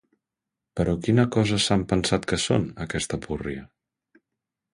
Però quina cosa s'han pensat que són, aquesta púrria?